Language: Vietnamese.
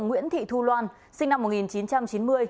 nguyễn thị thu loan sinh năm một nghìn chín trăm chín mươi